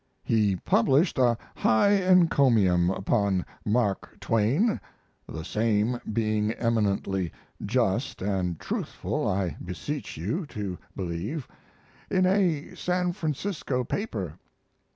He published a high encomium upon Mark Twain (the same being eminently just and truthful, I beseech you to believe) in a San Francisco paper.